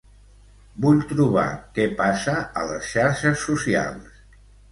Vull trobar què passa a les xarxes socials.